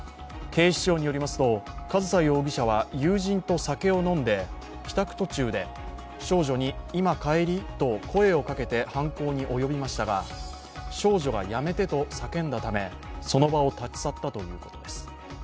警視庁によりますと上総容疑者は友人と酒を飲んで帰宅途中で、少女に「今帰り？」と声をかけて犯行に及びましたが少女がやめてと叫んだためその場を立ち去ったということです。